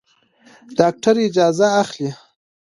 ډاکټر اجازه اخلي.